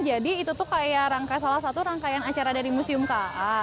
jadi itu tuh kayak salah satu rangkaian acara dari museum ka